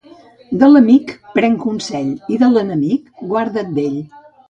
De l'amic, pren consell, i de l'enemic, guarda't d'ell.